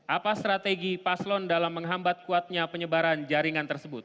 apa strategi paslon dalam menghambat kuatnya penyebaran jaringan tersebut